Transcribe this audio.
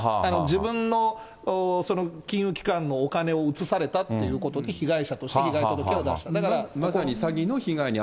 自分の金融機関のお金を移されたっていうことで、被害者として、被害届を出した。